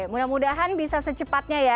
mudah mudahan bisa secepatnya ya